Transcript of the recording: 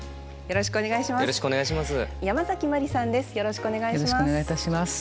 よろしくお願いします。